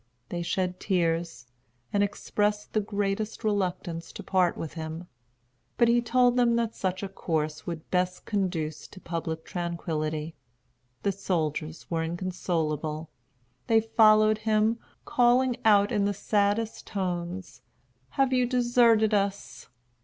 They shed tears, and expressed the greatest reluctance to part with him; but he told them that such a course would best conduce to public tranquillity. The soldiers were inconsolable. They followed him, calling out in the saddest tones, "Have you deserted us?"